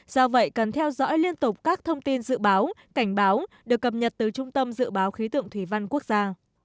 do vậy cần theo dõi liên tục các thông tin dự báo cảnh báo được cập nhật từ trung tâm dự báo khí tượng thủy văn quốc gia